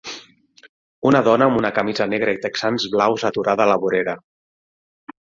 Una dona amb una camisa negra i texans blaus aturada a la vorera.